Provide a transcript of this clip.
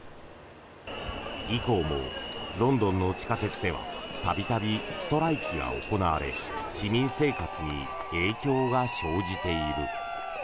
以降もロンドンの地下鉄では度々ストライキが行われ市民生活に影響が生じている。